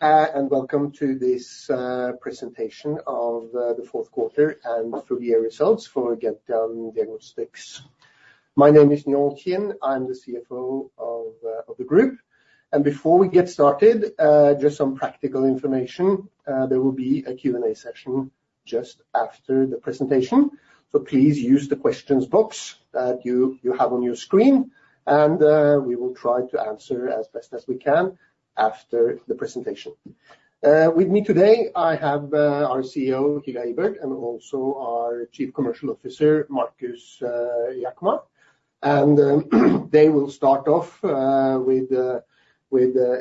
Welcome to this presentation of the fourth quarter and full year results for Gentian Diagnostics. My name is Njaal Kind, I'm the CFO of the group. Before we get started, just some practical information. There will be a Q&A session just after the presentation, so please use the questions box that you have on your screen, and we will try to answer as best as we can after the presentation. With me today, I have our CEO, Hilja Ibert, and also our Chief Commercial Officer, Markus Jaquemar. They will start off with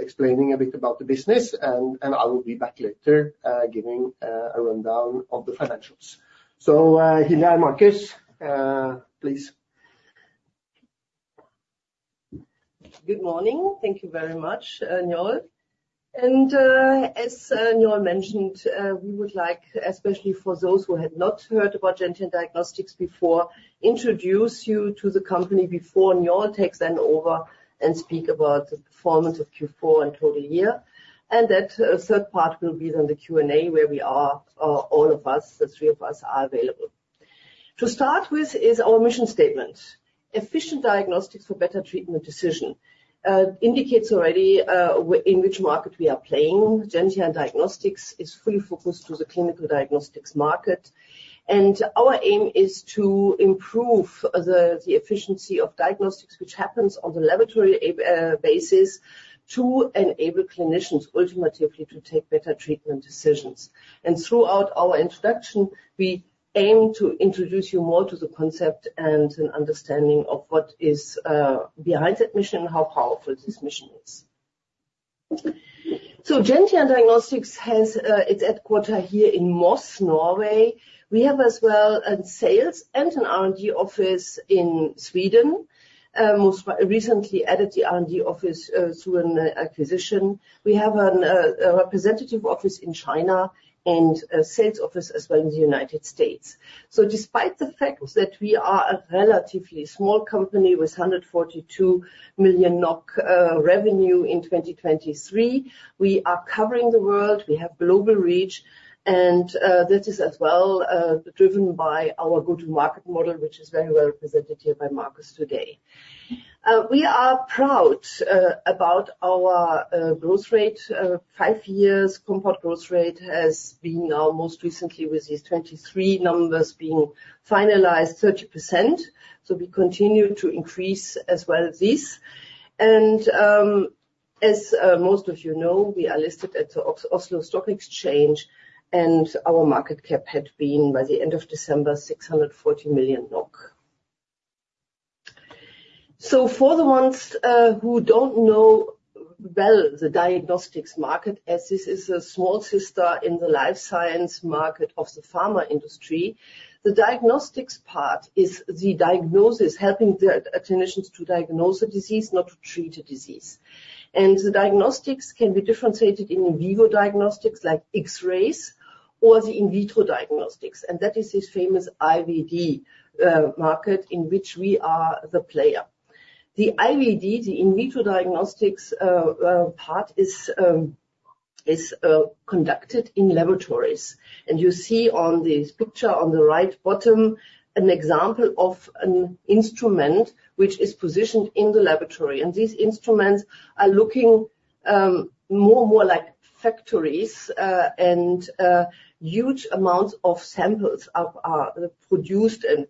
explaining a bit about the business, and I will be back later giving a rundown of the financials. So, Hilja and Markus, please. Good morning. Thank you very much, Njaal. And, as Njaal mentioned, we would like, especially for those who have not heard about Gentian Diagnostics before, introduce you to the company before Njaal takes hand over and speak about the performance of Q4 and total year. And that, third part will be then the Q&A, where we are, all of us, the three of us, are available. To start with is our mission statement: Efficient diagnostics for better treatment decision. Indicates already, in which market we are playing. Gentian Diagnostics is fully focused to the clinical diagnostics market, and our aim is to improve the efficiency of diagnostics, which happens on the laboratory a basis, to enable clinicians ultimately to take better treatment decisions. Throughout our introduction, we aim to introduce you more to the concept and an understanding of what is behind that mission and how powerful this mission is. Gentian Diagnostics has its headquarters here in Moss, Norway. We have as well a sales and an R&D office in Sweden, most recently added the R&D office through an acquisition. We have a representative office in China and a sales office as well in the United States. Despite the fact that we are a relatively small company with 142 million NOK revenue in 2023, we are covering the world, we have global reach, and that is as well driven by our go-to-market model, which is very well represented here by Markus today. We are proud about our growth rate. Five-years compound growth rate has been now, most recently with these 2023 numbers being finalized, 30%. So we continue to increase as well this. And, as most of you know, we are listed at the Oslo Stock Exchange, and our market cap had been, by the end of December, 640 million NOK. So for the ones who don't know Bell the diagnostics market, as this is a small sister in the life science market of the pharma industry, the diagnostics part is the diagnosis, helping the clinicians to diagnose a disease, not to treat a disease. And the diagnostics can be differentiated in vivo diagnostics, like X-rays, or the in vitro diagnostics, and that is this famous IVD market in which we are the player. The IVD, the in vitro diagnostics, part is conducted in laboratories. You see on this picture on the right bottom, an example of an instrument which is positioned in the laboratory. These instruments are looking more and more like factories, and huge amounts of samples are produced and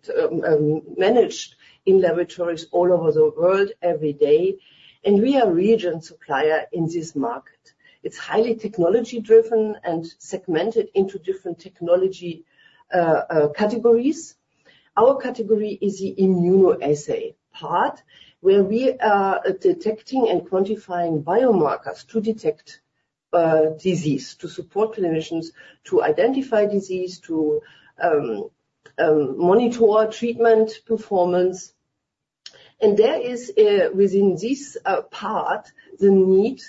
managed in laboratories all over the world every day, and we are reagent supplier in this market. It's highly technology-driven and segmented into different technology categories. Our category is the immunoassay part, where we are detecting and quantifying biomarkers to detect disease, to support clinicians, to identify disease, to monitor treatment performance. There is within this part the need to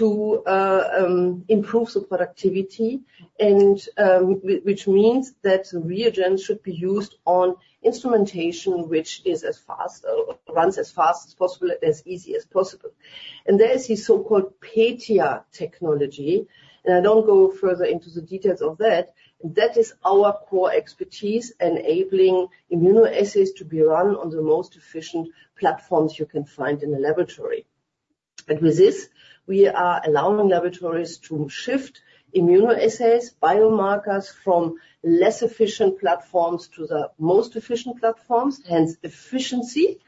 improve the productivity and which means that reagents should be used on instrumentation, which is as fast runs as fast as possible, as easy as possible. There is this so-called PETIA technology, and I don't go further into the details of that. That is our core expertise, enabling immunoassays to be run on the most efficient platforms you can find in a laboratory. With this, we are allowing laboratories to shift immunoassays, biomarkers from less efficient platforms to the most efficient platforms, hence efficiency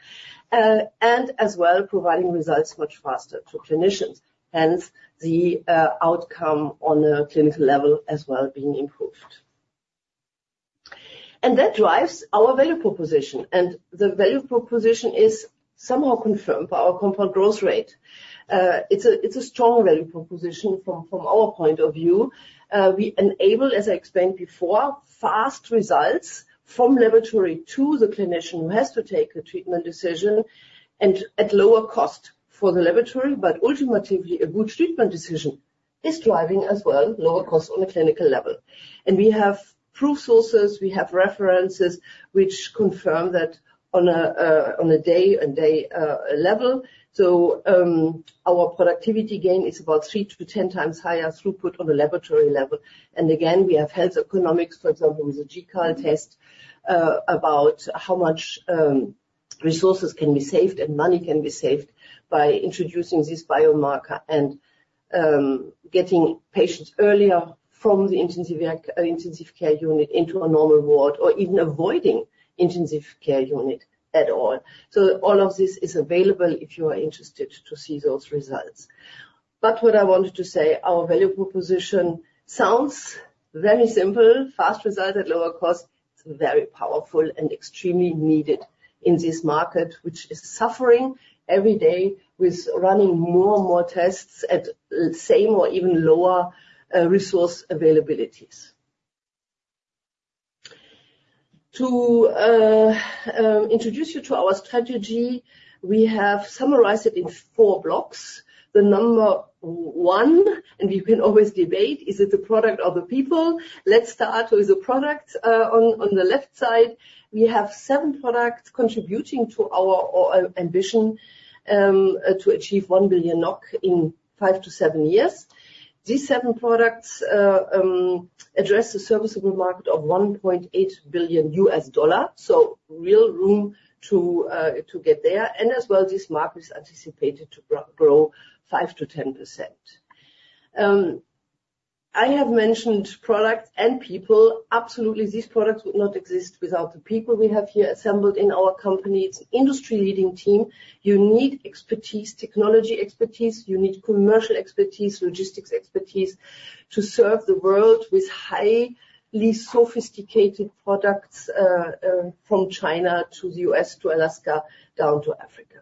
and as well providing results much faster to clinicians, hence the outcome on a clinical level as well being improved. That drives our value proposition, and the value proposition is somehow confirmed by our compound growth rate. It's a strong value proposition from our point of view. We enable, as I explained before, fast results from laboratory to the clinician who has to take a treatment decision and at lower cost for the laboratory, but ultimately, a good treatment decision is driving as well lower cost on a clinical level. We have proof sources, we have references, which confirm that on a daily level. So, our productivity gain is about three to 10 times higher throughput on a laboratory level. And again, we have health economics, for example, with the GCAL test, about how much resources can be saved and money can be saved by introducing this biomarker and getting patients earlier from the intensive care unit into a normal ward, or even avoiding intensive care unit at all. So all of this is available if you are interested to see those results. But what I wanted to say, our value proposition sounds very simple: fast results at lower cost. It's very powerful and extremely needed in this market, which is suffering every day with running more and more tests at the same or even lower resource availabilities. To introduce you to our strategy, we have summarized it in four blocks. The number one, and we can always debate, is it the product or the people? Let's start with the product. On the left side, we have seven products contributing to our ambition to achieve 1 billion NOK in five to seven years. These seven products address the serviceable market of $1.8 billion, so real room to get there, and as well, this market is anticipated to grow 5%-10%. I have mentioned products and people. Absolutely, these products would not exist without the people we have here assembled in our company. It's an industry-leading team. You need expertise, technology expertise, you need commercial expertise, logistics expertise, to serve the world with highly sophisticated products from China to the US, to Alaska, down to Africa.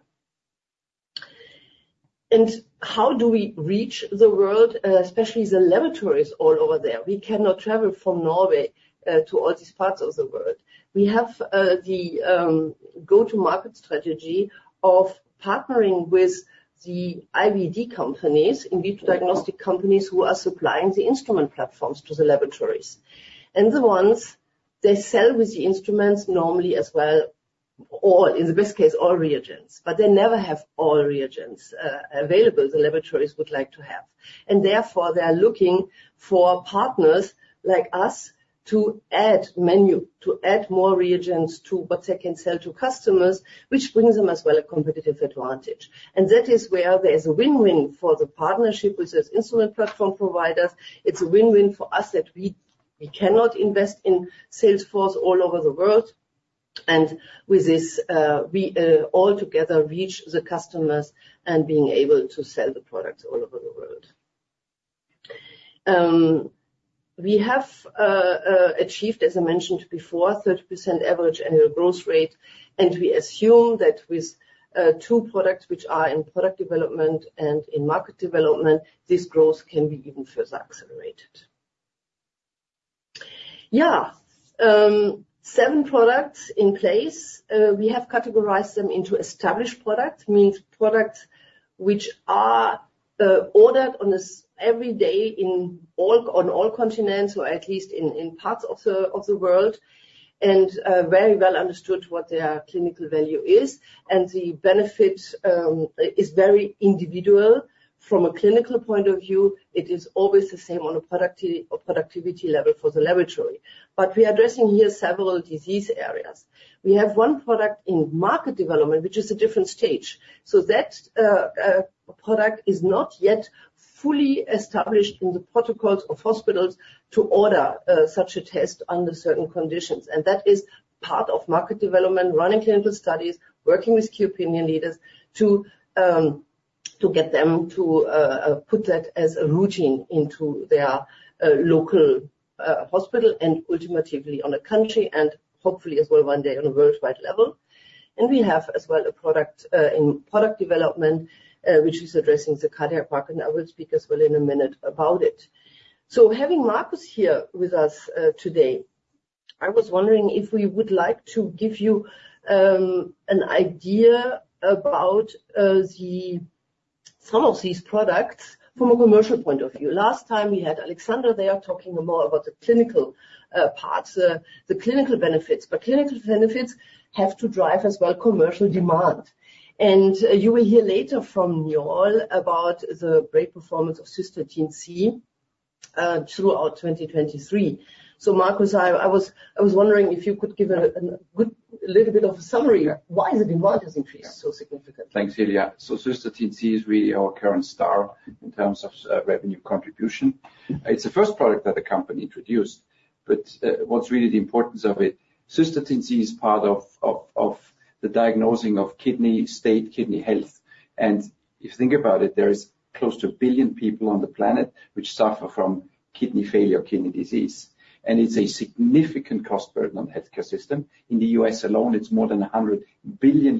How do we reach the world, especially the laboratories all over there? We cannot travel from Norway to all these parts of the world. We have the go-to-market strategy of partnering with the IVD companies, in vitro diagnostic companies, who are supplying the instrument platforms to the laboratories. And the ones they sell with the instruments normally as well, or in the best case, all reagents, but they never have all reagents available the laboratories would like to have. And therefore, they are looking for partners like us to add menu, to add more reagents to what they can sell to customers, which brings them as well, a competitive advantage. And that is where there is a win-win for the partnership with these instrument platform providers. It's a win-win for us that we cannot invest in sales force all over the world. And with this, we all together reach the customers and being able to sell the products all over the world. We have achieved, as I mentioned before, 30% average annual growth rate, and we assume that with two products which are in product development and in market development, this growth can be even further accelerated. Seven products in place. We have categorized them into established products, means products which are ordered every day on all continents, or at least in parts of the world, and very well understood what their clinical value is, and the benefit is very individual. From a clinical point of view, it is always the same on a productivity, on productivity level for the laboratory. But we are addressing here several disease areas. We have one product in market development, which is a different stage. So that product is not yet fully established in the protocols of hospitals to order such a test under certain conditions. And that is part of market development, running clinical studies, working with key opinion leaders to get them to put that as a routine into their local hospital and ultimately on a country and hopefully as well, one day on a worldwide level. And we have as well a product in product development which is addressing the cardiac market. I will speak as well in a minute about it. So having Markus here with us today, I was wondering if we would like to give you an idea about some of these products from a commercial point of view. Last time we had Alexander there talking more about the clinical parts, the clinical benefits. But clinical benefits have to drive as well, commercial demand. And you will hear later from Njaal about the great performance of Cystatin C throughout 2023. So, Markus, I was wondering if you could give a good little bit of a summary. Why has the demand increased so significantly? Thanks, Hilja. So Cystatin C is really our current star in terms of revenue contribution. It's the first product that the company introduced, but what's really the importance of it, Cystatin C is part of of the diagnosing of kidney state, kidney health. And if you think about it, there is close to billion people on the planet which suffer from kidney failure, kidney disease, and it's a significant cost burden on the healthcare system. In the US alone, it's more than $100 billion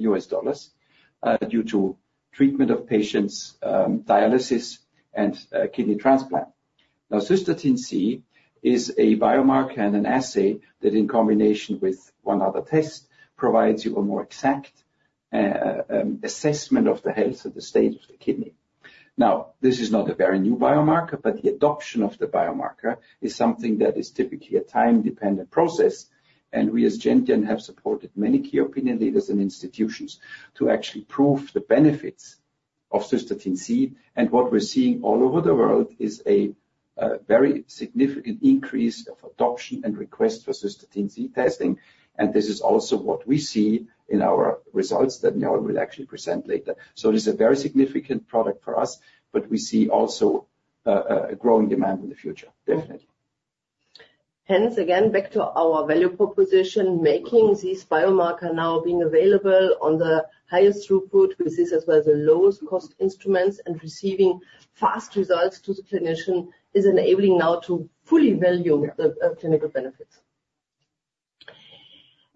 due to treatment of patients, dialysis and kidney transplants. Now, Cystatin C is a biomarker and an assay that, in combination with one other test, provides you a more exact assessment of the health of the state of the kidney. Now, this is not a very new biomarker, but the adoption of the biomarker is something that is typically a time-dependent process, and we, as Gentian, have supported many key opinion leaders and institutions to actually prove the benefits of Cystatin C. What we're seeing all over the world is a very significant increase of adoption and request for Cystatin C testing, and this is also what we see in our results that Njaal will actually present later. So it is a very significant product for us, but we see also a growing demand in the future, definitely. Hence, again, back to our value proposition, making this biomarker now being available on the highest throughput with this, as well as the lowest cost instruments and receiving fast results to the clinician, is enabling now to fully value- Yeah The clinical benefits.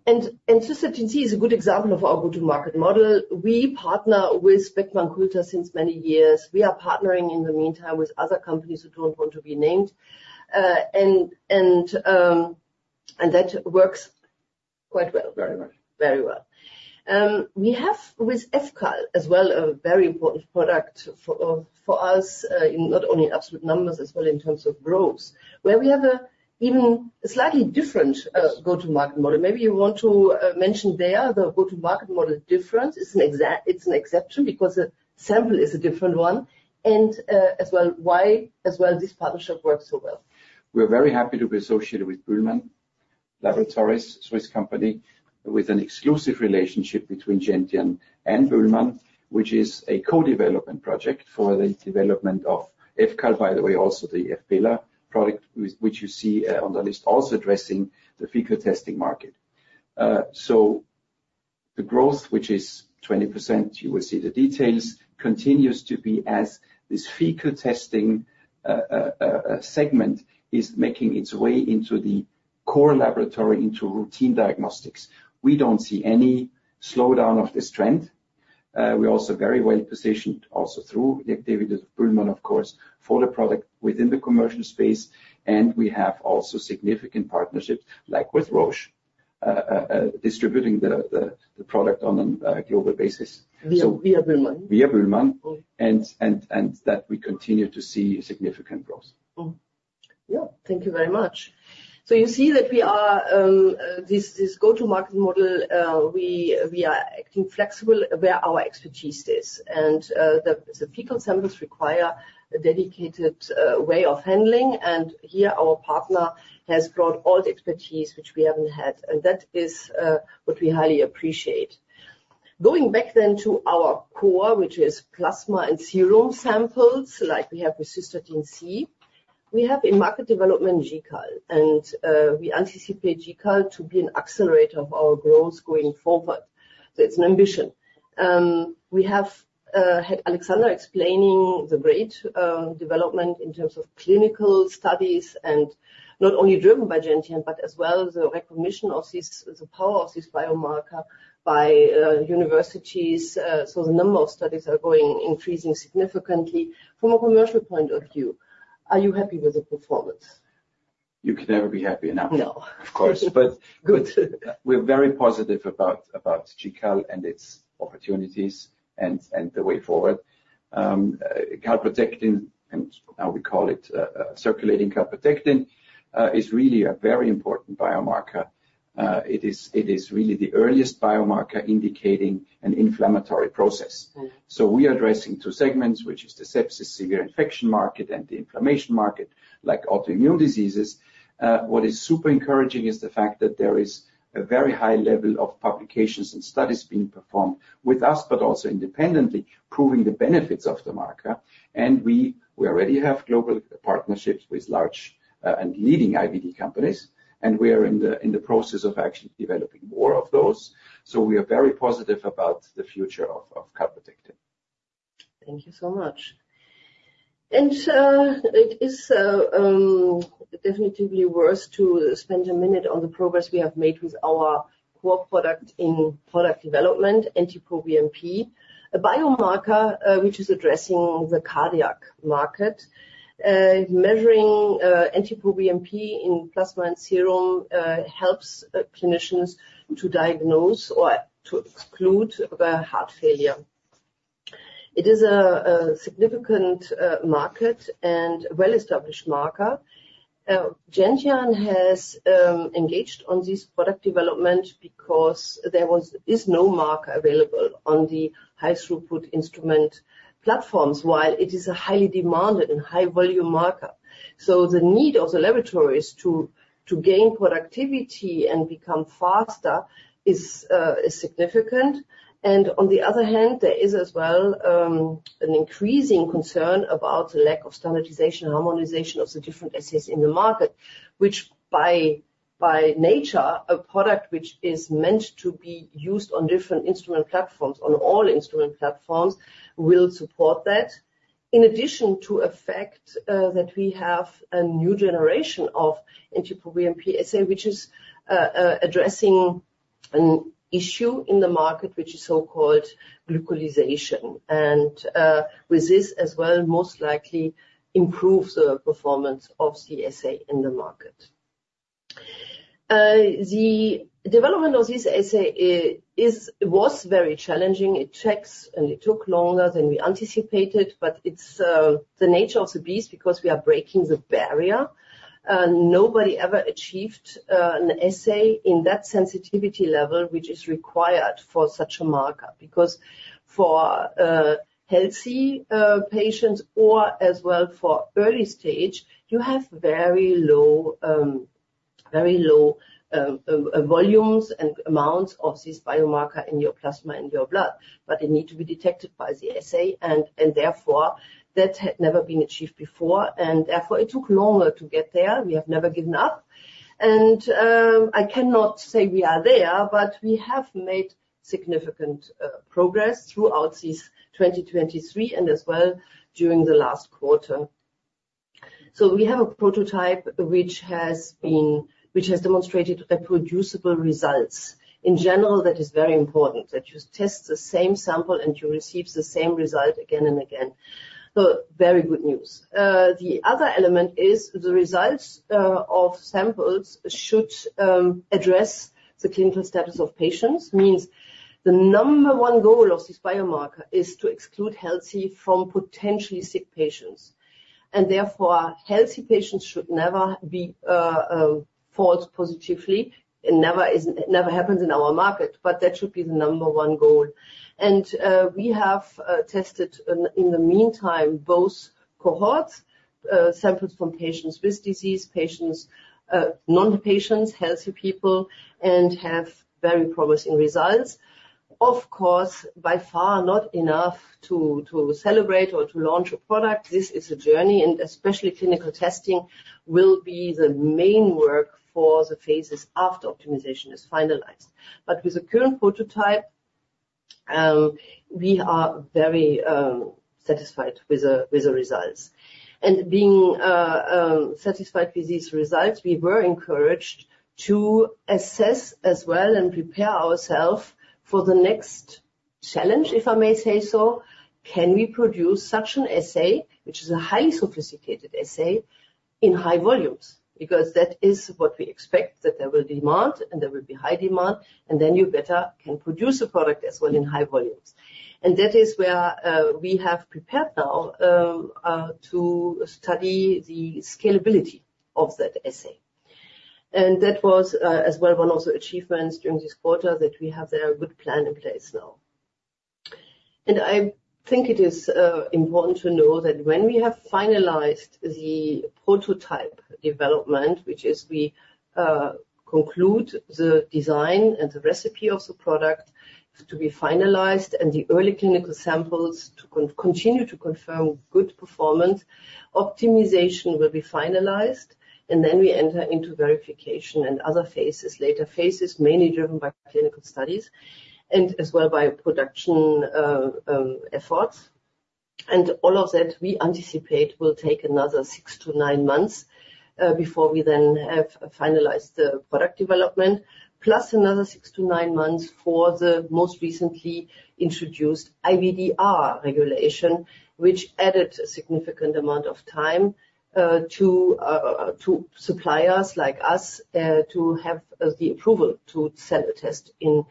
And Cystatin C is a good example of our go-to-market model. We partner with Beckman Coulter since many years. We are partnering, in the meantime, with other companies who don't want to be named, and that works quite well. Very well. Very well. We have with fCAL as well, a very important product for, for us, in not only absolute numbers, as well in terms of growth, where we have a even slightly different, go-to-market model. Maybe you want to, mention there, the go-to-market model difference. It's an exception because the sample is a different one and, as well, why as well, this partnership works so well. We're very happy to be associated with BÜHLMANN Laboratories, Swiss company, with an exclusive relationship between Gentian and BÜHLMANN, which is a co-development project for the development of fCAL, by the way, also the fPELA product, which you see on the list, also addressing the fecal testing market. So the growth, which is 20%, you will see the details, continues to be as this fecal testing segment is making its way into the core laboratory, into routine diagnostics. We don't see any slowdown of this trend. We're also very well positioned, also through the activities of BÜHLMANN, of course, for the product within the commercial space, and we have also significant partnerships, like with Roche, distributing the product on a global basis. Via, via BÜHLMANN. Via BÜHLMANN. Oh. And that we continue to see significant growth. Yeah. Thank you very much. So you see that we are this go-to-market model, we are acting flexible where our expertise is, and the fecal samples require a dedicated way of handling, and here, our partner has brought all the expertise, which we haven't had, and that is what we highly appreciate. Going back then to our core, which is plasma and serum samples, like we have with Cystatin C, we have in market development GCAL, and we anticipate GCAL to be an accelerator of our growth going forward. So it's an ambition. We have had Alexander explaining the great development in terms of clinical studies and not only driven by Gentian, but as well as the recognition of the power of this biomarker by universities. So, the number of studies are going increasing significantly. From a commercial point of view, are you happy with the performance? You can never be happy enough. No. Of course, but- Good. We're very positive about GCAL and its opportunities and the way forward. Calprotectin, and now we call it circulating Calprotectin, is really a very important biomarker. It is really the earliest biomarker indicating an inflammatory process. Mm. So we are addressing two segments, which is the sepsis, severe infection market, and the inflammation market, like autoimmune diseases. What is super encouraging is the fact that there is a very high level of publications and studies being performed with us, but also independently, proving the benefits of the marker. And we already have global partnerships with large, and leading IVD companies, and we are in the process of actually developing more of those. So we are very positive about the future of Calprotectin. Thank you so much. It is definitely worth to spend a minute on the progress we have made with our core product in product development, NT-proBNP, a biomarker, which is addressing the cardiac market. Measuring NT-proBNP in plasma and serum helps clinicians to diagnose or to exclude the heart failure. It is a significant market and well-established marker. Gentian has engaged on this product development because there is no marker available on the high-throughput instrument platforms, while it is a highly demanded and high-volume marker. So the need of the laboratories to gain productivity and become faster is significant. On the other hand, there is as well an increasing concern about the lack of standardization and harmonization of the different assays in the market, which by nature, a product which is meant to be used on different instrument platforms, on all instrument platforms, will support that. In addition to a fact that we have a new generation of NT-proBNP assay, which is addressing an issue in the market, which is so-called glycosylation, and with this as well, most likely improve the performance of the assay in the market. The development of this assay was very challenging. It took longer than we anticipated, but it's the nature of the beast, because we are breaking the barrier. Nobody ever achieved an assay in that sensitivity level, which is required for such a marker, because for healthy patients or as well for early stage, you have very low very low volumes and amounts of this biomarker in your plasma, in your blood, but they need to be detected by the assay, and therefore, that had never been achieved before, and therefore it took longer to get there. We have never given up, and I cannot say we are there, but we have made significant progress throughout this 2023 and as well during the last quarter. So we have a prototype which has demonstrated reproducible results. In general, that is very important, that you test the same sample and you receive the same result again and again. So very good news. The other element is the results of samples should address the clinical status of patients. Means the number one goal of this biomarker is to exclude healthy from potentially sick patients, and therefore, healthy patients should never be false positively. It never is, it never happens in our market, but that should be the number one goal. And we have tested in the meantime both cohorts samples from patients with disease, patients non-patients, healthy people, and have very promising results. Of course, by far, not enough to celebrate or to launch a product. This is a journey, and especially clinical testing will be the main work for the phases after optimization is finalized. But with the current prototype, we are very satisfied with the results. Being satisfied with these results, we were encouraged to assess as well and prepare ourself for the next challenge, if I may say so. Can we produce such an assay, which is a highly sophisticated assay, in high volumes? Because that is what we expect, that there will demand, and there will be high demand, and then you better can produce a product as well in high volumes. That is where we have prepared now to study the scalability of that assay. That was as well one of the achievements during this quarter, that we have a good plan in place now. I think it is important to know that when we have finalized the prototype development, which is we conclude the design and the recipe of the product to be finalized and the early clinical samples to continue to confirm good performance, optimization will be finalized, and then we enter into verification and other phases, later phases, mainly driven by clinical studies and as well by production efforts. All of that, we anticipate, will take another six to nine months before we then have finalized the product development, plus another six to nine months for the most recently introduced IVDR regulation, which added a significant amount of time to suppliers like us to have the approval to sell the test in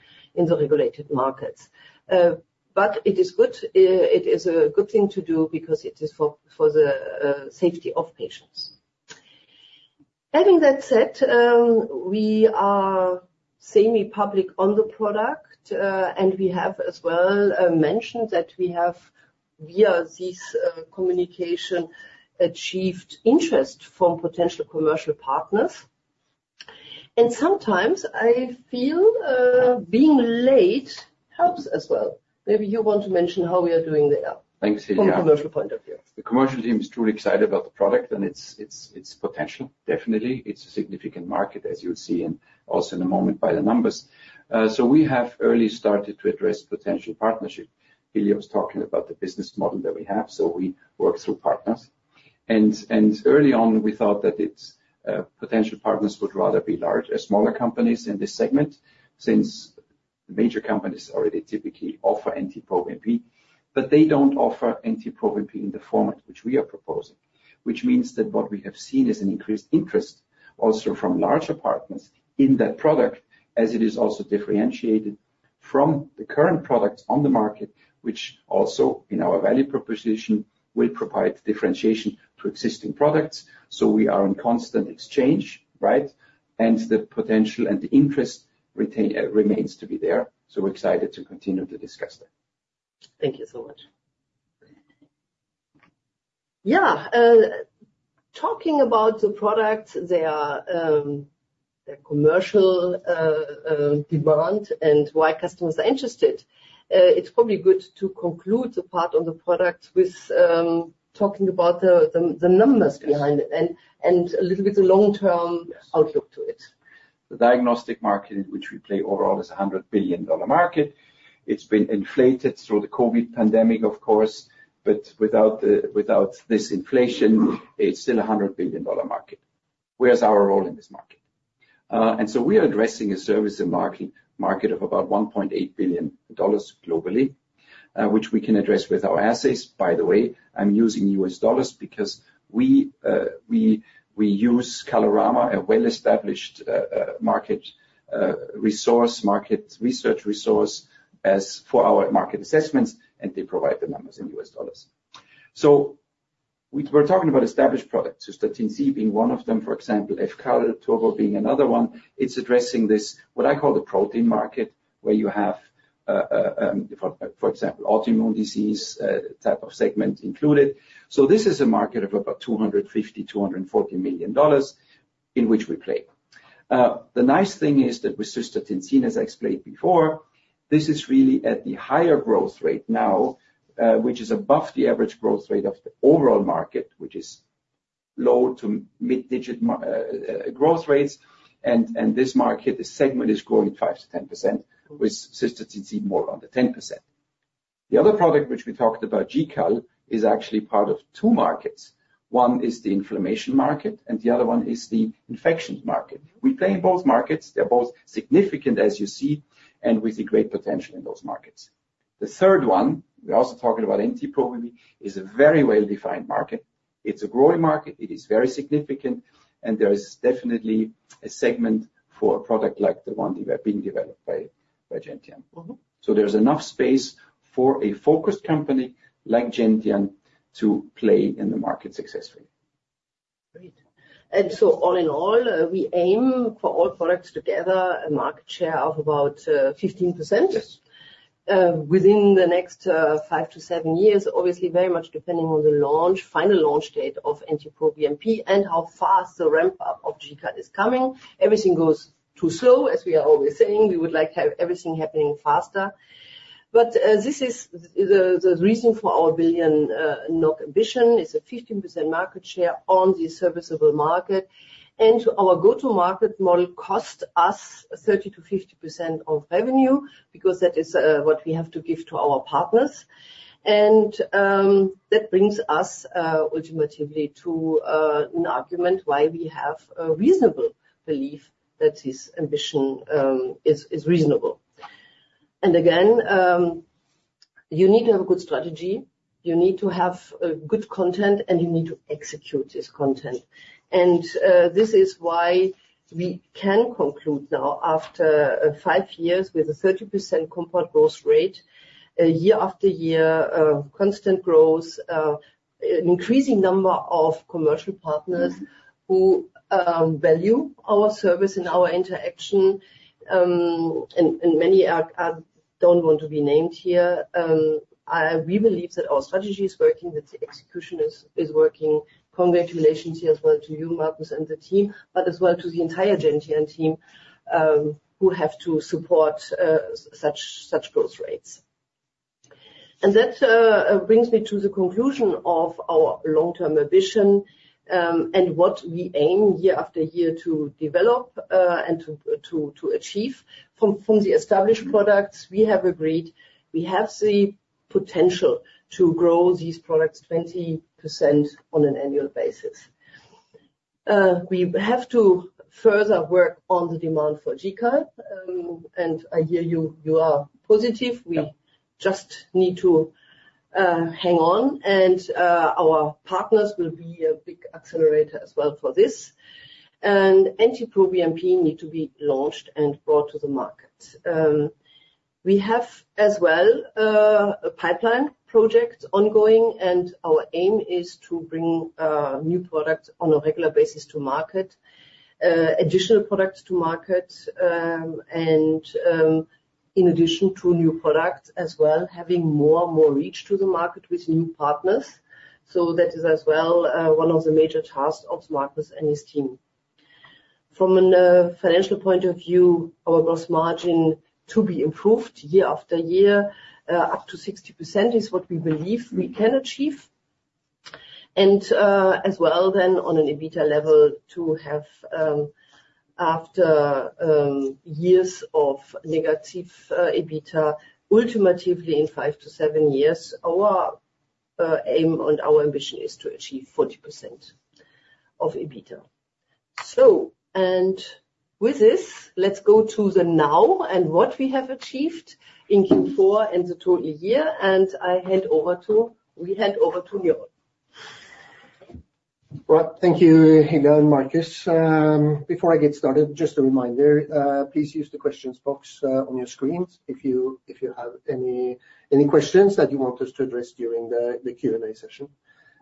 the regulated markets. But it is good, it is a good thing to do because it is for the safety of patients. Having that said, we are semi-public on the product, and we have as well mentioned that we have, via this communication, achieved interest from potential commercial partners. And sometimes I feel, being late helps as well. Maybe you want to mention how we are doing there- Thanks, Hilja. From a commercial point of view. The commercial team is truly excited about the product and its potential. Definitely, it's a significant market, as you'll see, and also in a moment by the numbers. So we have early started to address potential partnership. Hilja was talking about the business model that we have, so we work through partners. And early on, we thought that it's potential partners would rather be large, smaller companies in this segment, since the major companies already typically offer NT-proBNP, but they don't offer NT-proBNP in the format which we are proposing. Which means that what we have seen is an increased interest also from larger partners in that product, as it is also differentiated from the current products on the market, which also in our value proposition, will provide differentiation to existing products. So we are in constant exchange, right? The potential and the interest remains to be there. We're excited to continue to discuss that. Thank you so much. Yeah, talking about the product, their commercial demand and why customers are interested, it's probably good to conclude the part on the product with talking about the numbers behind it- Yes. and a little bit the long-term- Yes... outlook to it. The diagnostic market, in which we play overall, is a $100 billion market. It's been inflated through the COVID pandemic, of course, but without this inflation, it's still a $100 billion market. Where's our role in this market? And so we are addressing a servicing and marketing market of about $1.8 billion globally, which we can address with our assets. By the way, I'm using US dollars because we use Kalorama, a well-established market research resource, as for our market assessments, and they provide the numbers in US dollars. So we're talking about established products, Cystatin C being one of them, for example, fCAL being another one. It's addressing this, what I call the protein market, where you have, for example, autoimmune disease type of segment included. So this is a market of about $250, $240 million in which we play. The nice thing is that with Cystatin C, as I explained before, this is really at the higher growth rate now, which is above the average growth rate of the overall market, which is low to mid-digit growth rates. This market, the segment, is growing 5%-10%, with Cystatin C more on the 10%. The other product, which we talked about, GCAL, is actually part of two markets. One is the inflammation market, and the other one is the infections market. We play in both markets. They're both significant, as you see, and we see great potential in those markets. The third one, we're also talking about NT-proBNP, is a very well-defined market. It's a growing market, it is very significant, and there is definitely a segment for a product like the one that are being developed by Gentian. Mm-hmm. There's enough space for a focused company like Gentian to play in the market successfully. Great. And so all in all, we aim for all products together, a market share of about, 15%. Yes. Within the next five to seven years. Obviously, very much depending on the launch, final launch date of NT-proBNP and how fast the ramp-up of GCAL is coming. Everything goes too slow, as we are always saying. We would like to have everything happening faster. But this is the reason for our 1 billion NOK ambition, is a 15% market share on the serviceable market. And our go-to-market model costs us 30%-50% of revenue, because that is what we have to give to our partners. And that brings us ultimately to an argument why we have a reasonable belief that this ambition is reasonable. And again, you need to have a good strategy, you need to have good content, and you need to execute this content. This is why we can conclude now, after five years with a 30% compound growth rate, year after year, constant growth, increasing number of commercial partners who value our service and our interaction, and many don't want to be named here. We believe that our strategy is working, that the execution is working. Congratulations here as well to you, Markus, and the team, but as well to the entire Gentian team, who have to support such growth rates. That brings me to the conclusion of our long-term ambition, and what we aim year after year to develop and to achieve. From the established products, we have agreed we have the potential to grow these products 20% on an annual basis. We have to further work on the demand for GCAL, and I hear you, you are positive. Yeah. We just need to hang on, and our partners will be a big accelerator as well for this. And NT-proBNP needs to be launched and brought to the market. We have as well a pipeline project ongoing, and our aim is to bring new products on a regular basis to market, additional products to market. And in addition to new products as well, having more and more reach to the market with new partners. So that is as well one of the major tasks of Markus and his team. From a financial point of view, our gross margin to be improved year after year, up to 60% is what we believe we can achieve. And, as well, then, on an EBITDA level, to have, after years of negative EBITDA, ultimately in five to seven years, our aim and our ambition is to achieve 40% of EBITDA. So, and with this, let's go to the now and what we have achieved in Q4 and the total year, and I hand over to... We hand over to Njaal. Well, thank you, Hilja and Markus. Before I get started, just a reminder, please use the questions box on your screens if you have any questions that you want us to address during the Q&A session.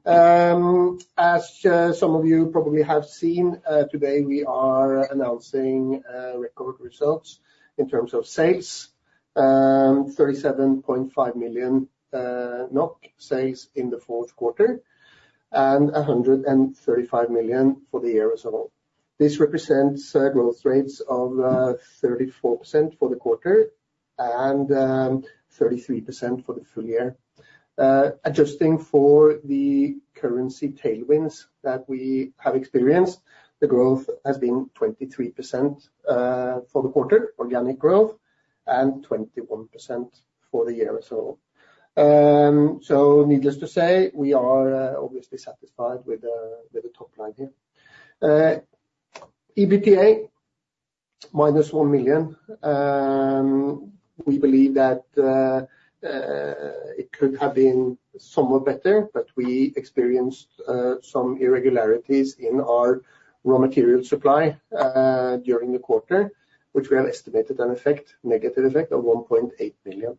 As some of you probably have seen, today, we are announcing record results in terms of sales. 37.5 million NOK sales in the fourth quarter, and 135 million for the year as a whole. This represents growth rates of 34% for the quarter and 33% for the full year. Adjusting for the currency tailwinds that we have experienced, the growth has been 23% for the quarter, organic growth, and 21% for the year as well. So needless to say, we are obviously satisfied with the top line here. EBITDA, minus 1 million. We believe that it could have been somewhat better, but we experienced some irregularities in our raw material supply during the quarter, which we have estimated an effect, negative effect of 1.8 billion.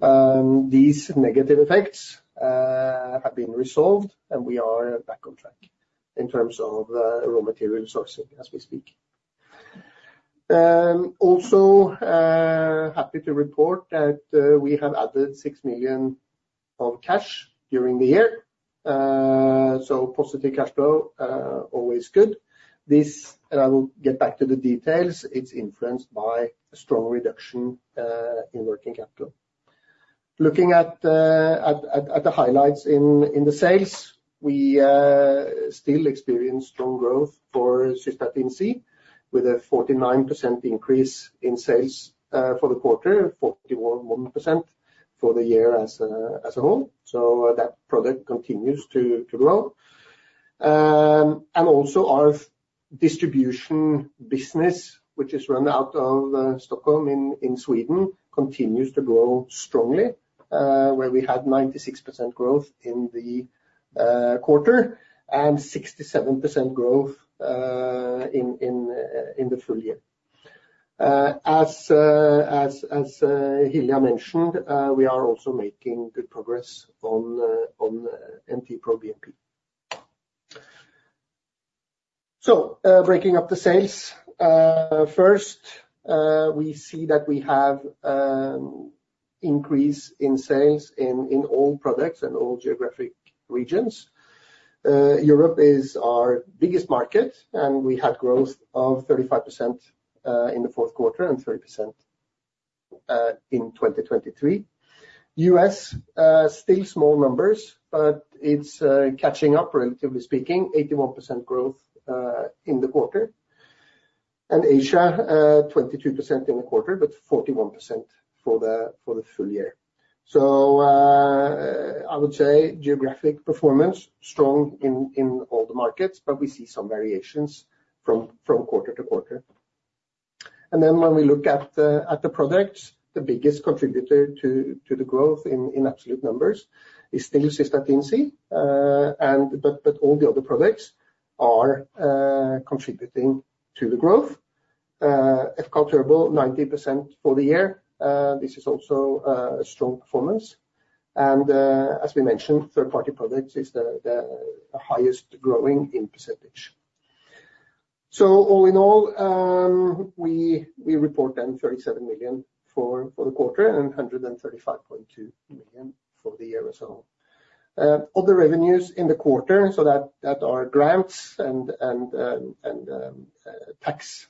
These negative effects have been resolved, and we are back on track in terms of raw material sourcing as we speak. Also, happy to report that we have added 6 million of cash during the year. So positive cash flow, always good. This, and I will get back to the details, it's influenced by a strong reduction in working capital. Looking at the highlights in the sales, we still experience strong growth for Cystatin C, with a 49% increase in sales for the quarter, and 41% for the year as a whole. So that product continues to grow. And also our distribution business, which is run out of Stockholm in Sweden, continues to grow strongly, where we had 96% growth in the quarter and 67% growth in the full year. As Hilja mentioned, we are also making good progress on NT-proBNP. So, breaking up the sales. First, we see that we have increase in sales in all products and all geographic regions. Europe is our biggest market, and we had growth of 35% in the fourth quarter and 30% in 2023. US still small numbers, but it's catching up, relatively speaking, 81% growth in the quarter. And Asia, 22% in the quarter, but 41% for the full year. So I would say geographic performance strong in all the markets, but we see some variations from quarter to quarter. And then when we look at the products, the biggest contributor to the growth in absolute numbers is still Cystatin C, and but all the other products are contributing to the growth. fCAL turbo, 90% for the year. This is also a strong performance, and as we mentioned, third-party products is the highest growing in percentage. So all in all, we report then 37 million for the quarter and 135.2 million for the year as well. Other revenues in the quarter, that are grants and tax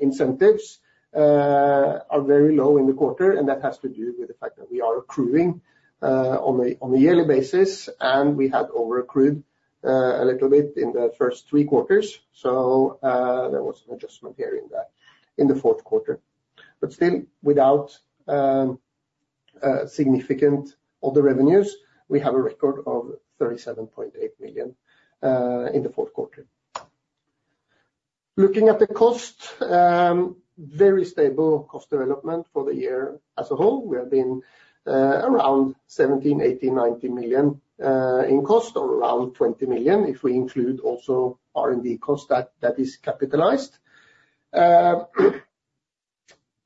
incentives, are very low in the quarter, and that has to do with the fact that we are accruing on a yearly basis, and we had overaccrued a little bit in the first three quarters. There was an adjustment here in the fourth quarter. But still, without significant other revenues, we have a record of 37.8 million in the fourth quarter. Looking at the cost, very stable cost development for the year as a whole. We have been around 17, 18, 19 million in cost, or around 20 million, if we include also R&D cost that is capitalized. I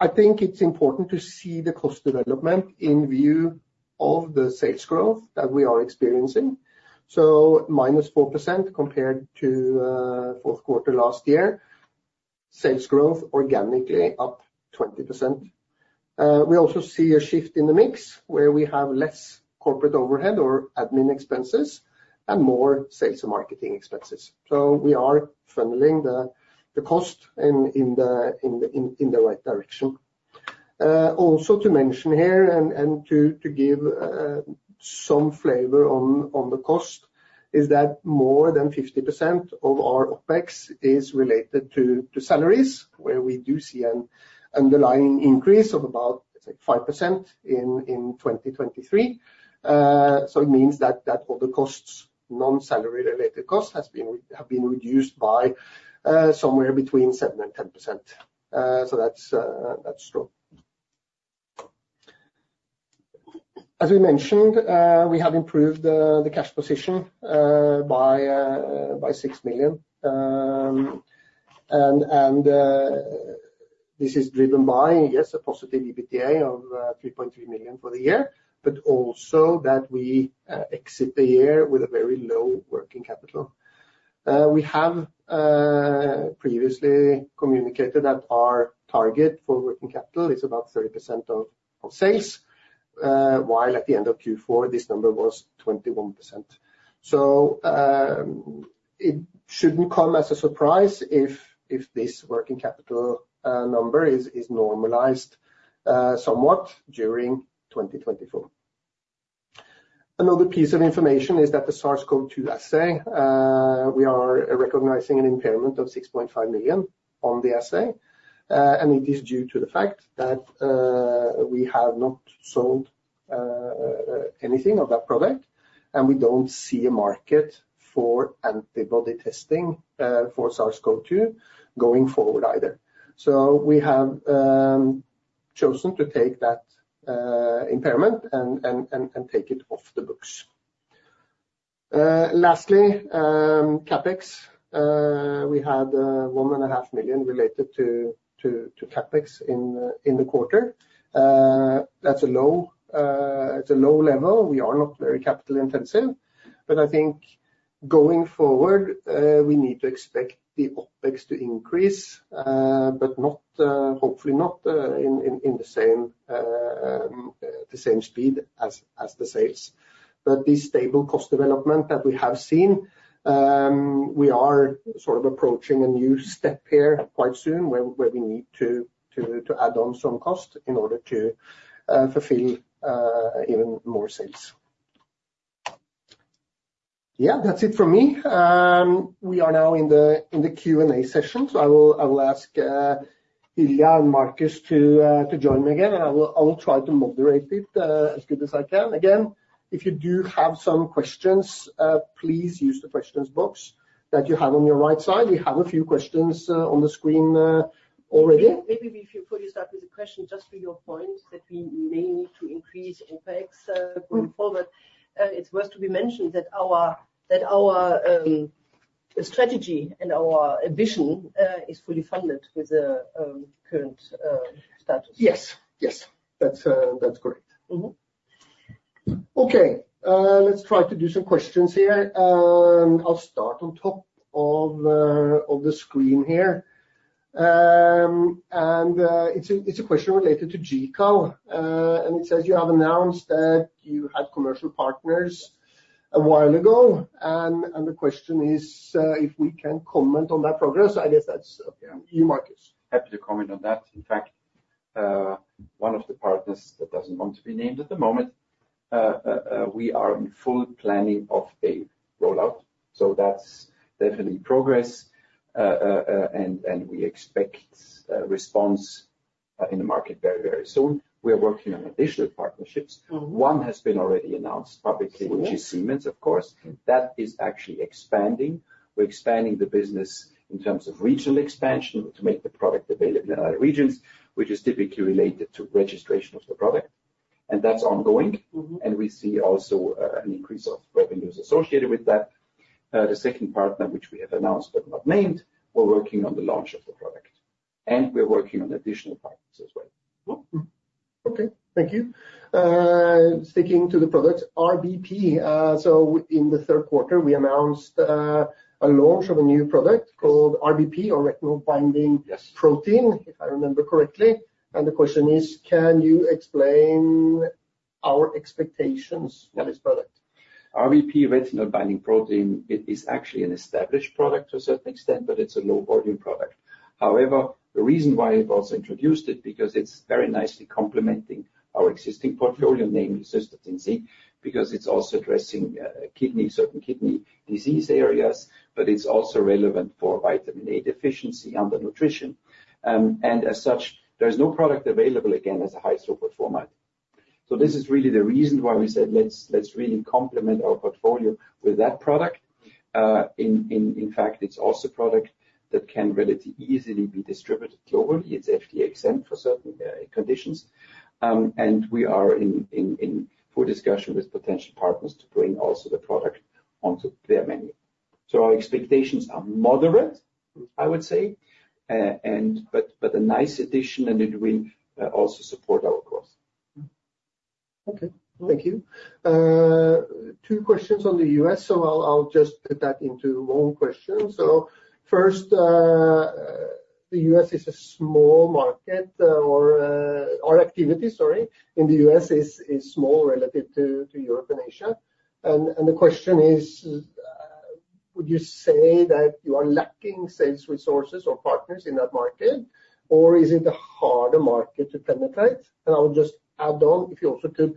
think it's important to see the cost development in view of the sales growth that we are experiencing. So -4% compared to fourth quarter last year. Sales growth organically up 20%. We also see a shift in the mix, where we have less corporate overhead or admin expenses and more sales and marketing expenses. So we are funneling the cost in the right direction. Also to mention here and to give some flavor on the cost, is that more than 50% of our OpEx is related to salaries, where we do see an underlying increase of about, let's say, 5% in 2023. So it means that other costs, non-salary-related costs, have been reduced by somewhere between 7% and 10%. So that's strong. As we mentioned, we have improved the cash position by NOK 6 million. And this is driven by, yes, a positive EBITDA of 3.3 million for the year, but also that we exit the year with a very low working capital. We have previously communicated that our target for working capital is about 30% of sales, while at the end of Q4, this number was 21%. So, it shouldn't come as a surprise if this working capital number is normalized somewhat during 2024... Another piece of information is that the SARS-CoV-2 assay, we are recognizing an impairment of 6.5 million on the assay. And it is due to the fact that we have not sold anything of that product, and we don't see a market for antibody testing for SARS-CoV-2 going forward either. So we have chosen to take that impairment and take it off the books. Lastly, CapEx, we had 1.5 million related to CapEx in the quarter. That's a low level. We are not very capital intensive, but I think going forward, we need to expect the OpEx to increase, but not, hopefully not, in the same speed as the sales. But this stable cost development that we have seen, we are sort of approaching a new step here quite soon, where we need to add on some cost in order to fulfill even more sales. Yeah, that's it from me. We are now in the Q&A session, so I will ask Hilja and Markus to join me again, and I will try to moderate it as good as I can. Again, if you do have some questions, please use the questions box that you have on your right side. We have a few questions on the screen already. Maybe, maybe if you could start with a question, just to your point, that we may need to increase OpEx going forward. It's worth to be mentioned that our strategy and our vision is fully funded with the current status. Yes, yes. That's, that's correct. Mm-hmm. Okay, let's try to do some questions here, and I'll start on top of, of the screen here. It's a, it's a question related to GCAL, and it says you have announced that you had commercial partners a while ago, and, the question is, if we can comment on that progress, I guess that's, you, Markus. Happy to comment on that. In fact, one of the partners that doesn't want to be named at the moment, we are in full planning of a rollout, so that's definitely progress. And we expect response in the market very, very soon. We are working on additional partnerships. Mm-hmm. One has been already announced publicly. Mm-hmm. -which is Siemens, of course. That is actually expanding. We're expanding the business in terms of regional expansion to make the product available in other regions, which is typically related to registration of the product, and that's ongoing. Mm-hmm. We see also an increase of revenues associated with that. The second partner, which we have announced but not named, we're working on the launch of the product, and we're working on additional partners as well. Mm-hmm. Okay, thank you. Sticking to the product, RBP, so in the third quarter, we announced a launch of a new product called RBP, or retinol binding- Yes protein, if I remember correctly. The question is: Can you explain our expectations for this product? RBP, retinol-binding protein, it is actually an established product to a certain extent, but it's a low-volume product. However, the reason why it was introduced is because it's very nicely complementing our existing portfolio, namely Cystatin C, because it's also addressing kidney, certain kidney disease areas, but it's also relevant for vitamin A deficiency and the nutrition. And as such, there's no product available, again, as a high-throughput format. So this is really the reason why we said, let's really complement our portfolio with that product. In fact, it's also a product that can relatively easily be distributed globally. It's FDA-exempt for certain conditions, and we are in full discussion with potential partners to bring also the product onto their menu. So our expectations are moderate- Mm I would say, but a nice addition, and it will also support our cause. Okay, thank you. Two questions on the US, so I'll just put that into one question. So first, the US is a small market, or our activity, sorry, in the US is small relative to Europe and Asia. And the question is: would you say that you are lacking sales resources or partners in that market, or is it a harder market to penetrate? And I would just add on, if you also could,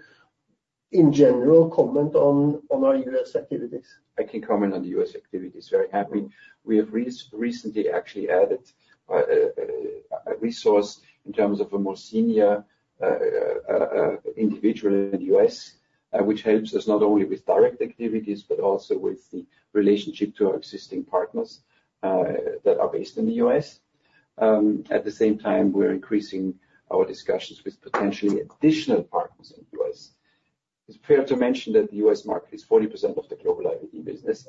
in general, comment on our US activities. I can comment on the US activities, very happy. We have recently actually added a resource in terms of a more senior individual in the US, which helps us not only with direct activities, but also with the relationship to our existing partners that are based in the US. At the same time, we're increasing our discussions with potentially additional partners in the US. It's fair to mention that the US market is 40% of the global IV business.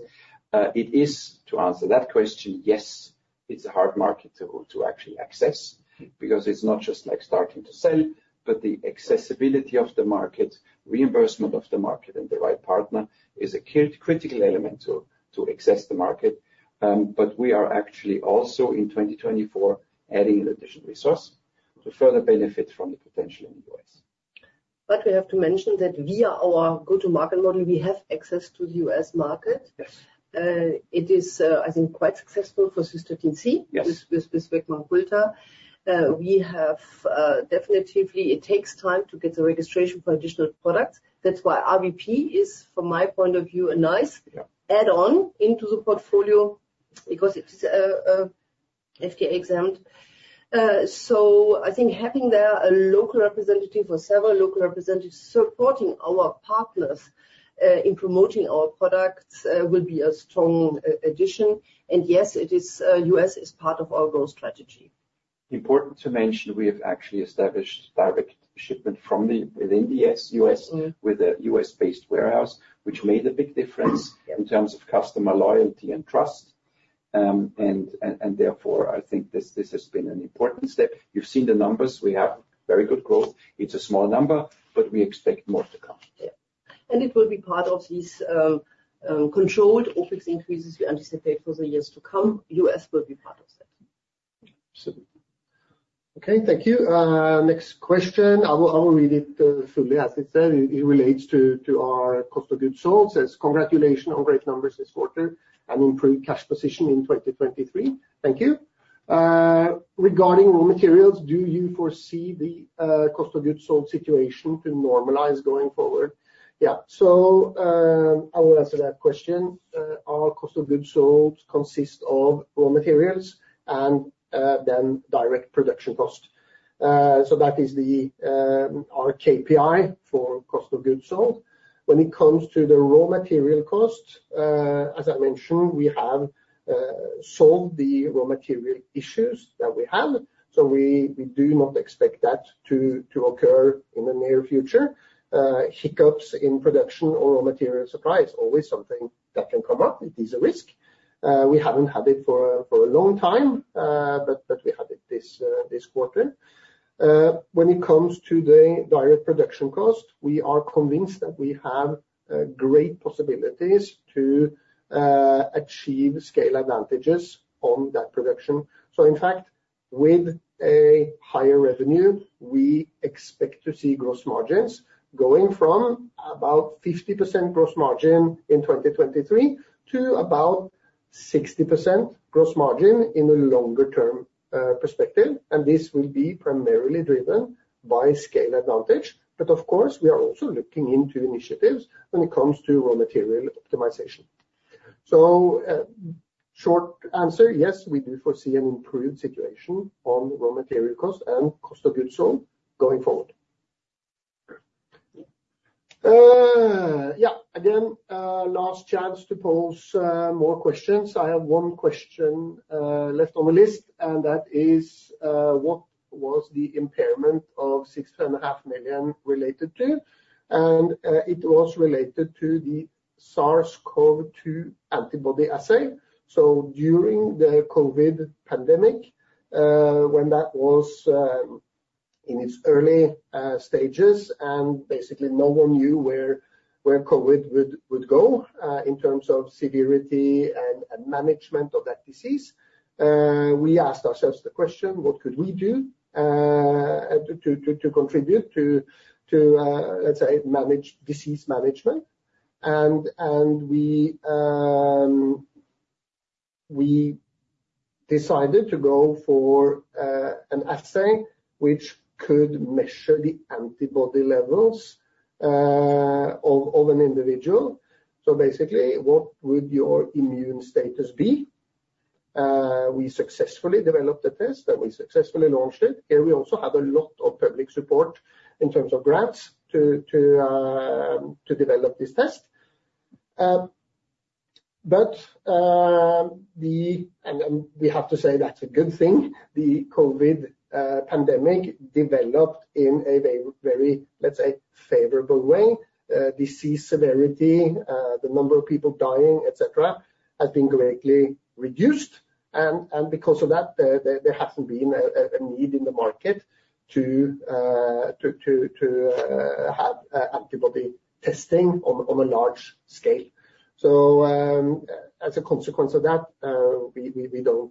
It is, to answer that question, yes, it's a hard market to actually access, because it's not just like starting to sell, but the accessibility of the market, reimbursement of the market, and the right partner is a critical element to access the market. But we are actually also, in 2024, adding an additional resource to further benefit from the potential in the U.S. We have to mention that via our go-to-market model, we have access to the U.S. market. Yes. It is, I think, quite successful for Cystatin C- Yes... with Beckman Coulter. We have, definitely, it takes time to get the registration for additional products. That's why RBP is, from my point of view, a nice- Yeah Add-on into the portfolio because it's FDA exempt. So I think having there a local representative or several local representatives supporting our partners in promoting our products will be a strong addition. And yes, it is. US is part of our growth strategy. Important to mention, we have actually established direct shipment from within the U.S., with a U.S.-based warehouse, which made a big difference. Yeah. In terms of customer loyalty and trust. Therefore, I think this, this has been an important step. You've seen the numbers. We have very good growth. It's a small number, but we expect more to come. Yeah. And it will be part of these, controlled OpEx increases we anticipate for the years to come. US will be part of that. Absolutely. Okay, thank you. Next question. I will read it fully. As it said, it relates to our cost of goods sold. Says: Congratulations on great numbers this quarter and improved cash position in 2023. Thank you. Regarding raw materials, do you foresee the cost of goods sold situation to normalize going forward? Yeah. So, I will answer that question. Our cost of goods sold consists of raw materials and then direct production cost. So that is our KPI for cost of goods sold. When it comes to the raw material cost, as I mentioned, we have solved the raw material issues that we had, so we do not expect that to occur in the near future. Hiccups in production or raw material supply is always something that can come up. It is a risk. We haven't had it for a long time, but we had it this quarter. When it comes to the direct production cost, we are convinced that we have great possibilities to achieve scale advantages on that production. So in fact, with a higher revenue, we expect to see gross margins going from about 50% gross margin in 2023 to about 60% gross margin in a longer-term perspective, and this will be primarily driven by scale advantage. But of course, we are also looking into initiatives when it comes to raw material optimization. So, short answer, yes, we do foresee an improved situation on raw material cost and cost of goods sold going forward. Yeah. Again, last chance to pose more questions. I have one question left on the list, and that is: What was the impairment of 60.5 million related to? And it was related to the SARS-CoV-2 Antibody Assay. So during the COVID pandemic, when that was in its early stages, and basically, no one knew where COVID would go in terms of severity and management of that disease, we asked ourselves the question: What could we do to contribute to, let's say, manage disease management? And we decided to go for an assay which could measure the antibody levels of an individual. So basically, what would your immune status be? We successfully developed a test, and we successfully launched it. Here, we also had a lot of public support in terms of grants to develop this test. We have to say that's a good thing. The COVID pandemic developed in a very, very, let's say, favorable way. Disease severity, the number of people dying, et cetera, has been greatly reduced, and because of that, there hasn't been a need in the market to have antibody testing on a large scale. As a consequence of that, we don't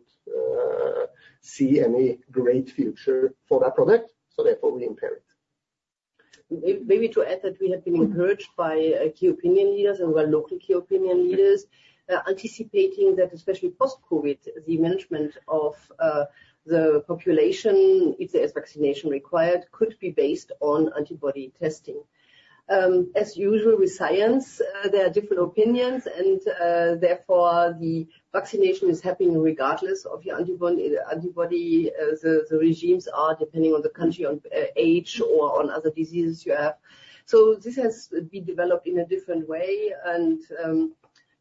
see any great future for that product, so therefore, we impair it. Maybe to add that we have been encouraged by key opinion leaders and, well, local key opinion leaders, anticipating that especially post-COVID, the management of the population, if there is vaccination required, could be based on antibody testing. As usual with science, there are different opinions, and, therefore, the vaccination is happening regardless of the antibody, the regimes are depending on the country, on age or on other diseases you have. So this has been developed in a different way, and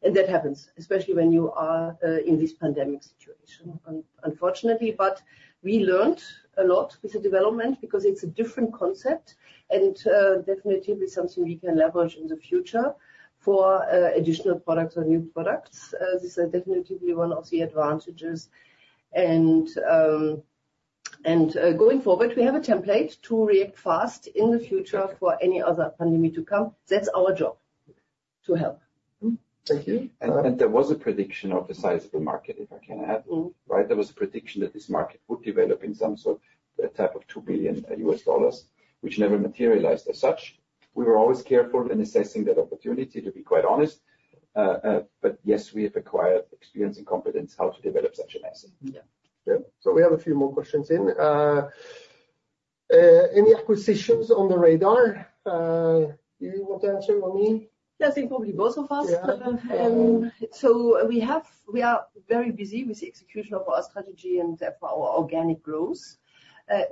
that happens, especially when you are in this pandemic situation, unfortunately. But we learned a lot with the development because it's a different concept, and it's definitely something we can leverage in the future for additional products or new products. This is definitely one of the advantages. Going forward, we have a template to react fast in the future for any other pandemic to come. That's our job, to help. Thank you. There was a prediction of the size of the market, if I can add. Mm-hmm. Right? There was a prediction that this market would develop in some sort, type of $2 billion, which never materialized as such. We were always careful in assessing that opportunity, to be quite honest. But yes, we have acquired experience and competence how to develop such an assay. Yeah.... So we have a few more questions in. Any acquisitions on the radar? You want to answer or me? Yeah, I think probably both of us. Yeah. So we are very busy with the execution of our strategy and therefore our organic growth,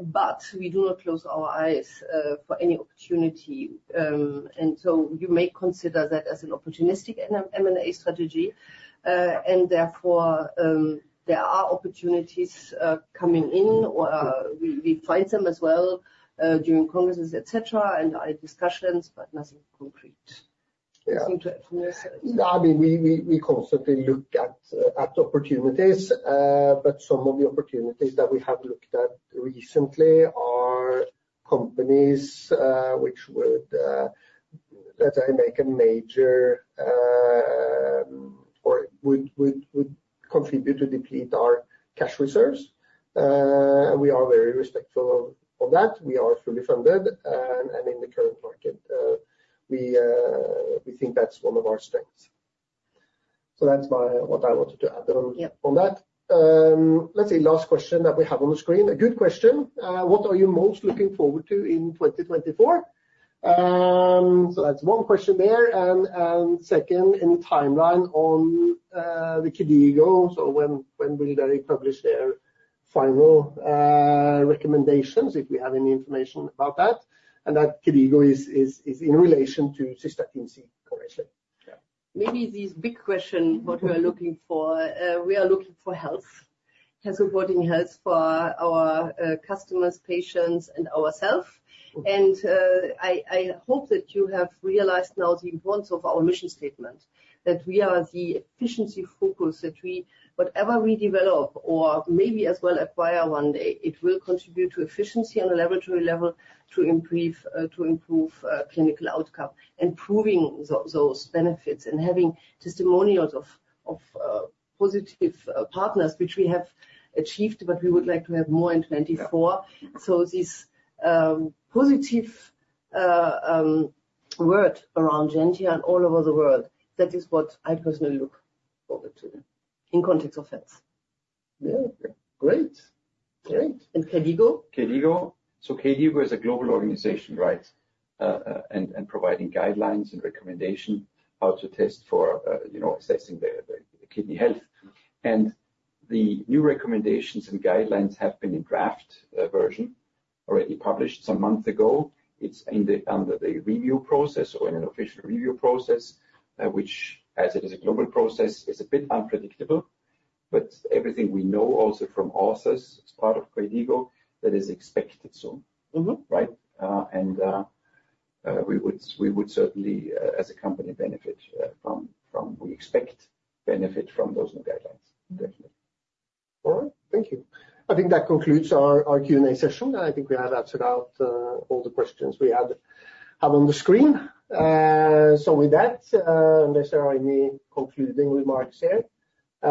but we do not close our eyes for any opportunity. And so you may consider that as an opportunistic M&A, M&A strategy, and therefore, there are opportunities coming in, or, we find them as well, during congresses, etc., and our discussions, but nothing concrete. Yeah. Anything to add from this? I mean, we constantly look at opportunities, but some of the opportunities that we have looked at recently are companies which would, let's say, make a major or would contribute to deplete our cash reserves. And we are very respectful of that. We are fully funded, and in the current market, we think that's one of our strengths. So that's my- what I wanted to add on- Yeah - on that. Let's see, last question that we have on the screen. A good question. What are you most looking forward to in 2024? So that's one question there, and, and second, any timeline on the KDIGO, so when, when will they publish their final recommendations, if we have any information about that? And that KDIGO is, is, is in relation to Cystatin C correction. Yeah. Maybe this big question, what we are looking for, we are looking for health, and supporting health for our, customers, patients and ourselves. And, I hope that you have realized now the importance of our mission statement, that we are the efficiency focus, that whatever we develop, or maybe as well acquire one day, it will contribute to efficiency on the laboratory level, to improve, to improve, clinical outcome. And proving those benefits and having testimonials of positive partners, which we have achieved, but we would like to have more in 2024. Yeah. So this positive word around Gentian all over the world, that is what I personally look forward to, in context of health. Yeah. Great, great. And KDIGO? KDIGO. So KDIGO is a global organization, right? And providing guidelines and recommendation how to test for, you know, assessing the kidney health. And the new recommendations and guidelines have been in draft version, already published some months ago. It's under the review process, or in an official review process, which, as it is a global process, is a bit unpredictable. But everything we know also from Uncertain, as part of KDIGO, that is expected soon. Mm-hmm. Right? And we would certainly, as a company, benefit from... We expect benefit from those new guidelines. Definitely. All right. Thank you. I think that concludes our Q&A session. I think we have answered out all the questions we had, have on the screen. So with that, unless there are any concluding remarks here, I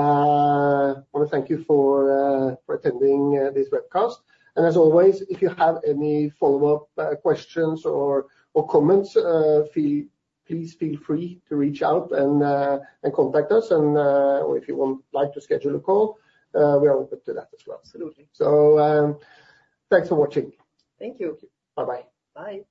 want to thank you for for attending this webcast. And as always, if you have any follow-up questions or comments, please feel free to reach out and contact us. And or if you would like to schedule a call, we are open to that as well. Absolutely. So, thanks for watching. Thank you. Bye-bye. Bye.